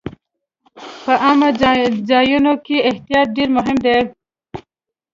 په عامو ځایونو کې احتیاط ډېر مهم دی.